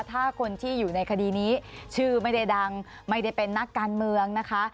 ถ้าคนที่อยู่ในคดีนี้ชื่อไม่ได้ดังไม่ได้เป็นนักการเมืองนะคะ